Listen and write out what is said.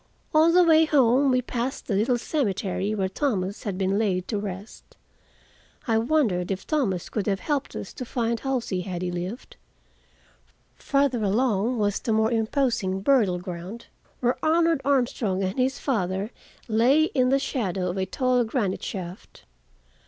On the way home we passed the little cemetery where Thomas had been laid to rest. I wondered if Thomas could have helped us to find Halsey, had he lived. Farther along was the more imposing burial ground, where Arnold Armstrong and his father lay in the shadow of a tall granite shaft.